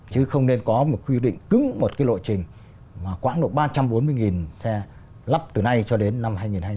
chứ không nên có một quy định cứng một cái lộ trình mà quãng độ ba trăm bốn mươi xe lắp từ nay cho đến năm hai nghìn hai mươi